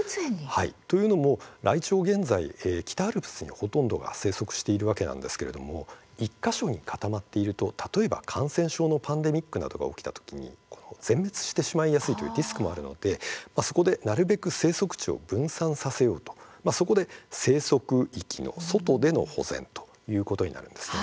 というのも現在ライチョウは北アルプスにほとんどが生息しているんですが１か所に固まっていると例えば感染症のパンデミックが起きた時に全滅しやすいというリスクもあるのでなるべく生息地を分散させようと生息域の外での保全ということになるんです。